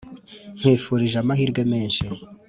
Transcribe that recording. nkwifurije amahirwe menshi,